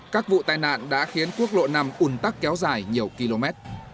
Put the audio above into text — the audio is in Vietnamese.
các vụ tai nạn đã khiến quốc lộ năm ùn tắc kéo dài nhiều km